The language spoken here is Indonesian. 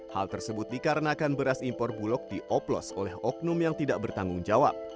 hal tersebut dikarenakan beras impor bulog dioplos oleh oknum yang tidak bertanggung jawab